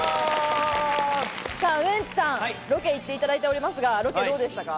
ウエンツさん、ロケ行っていただいておりますが、どうでしたか？